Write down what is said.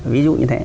ví dụ như thế